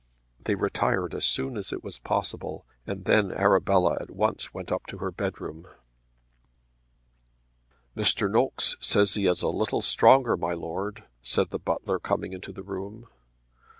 They retired as soon as it was possible, and then Arabella at once went up to her bedroom. "Mr. Nokes says he is a little stronger, my Lord," said the butler coming into the room.